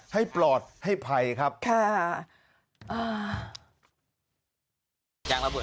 ให้ปลอดให้ภัยครับ